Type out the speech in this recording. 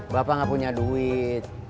bapak gak punya duit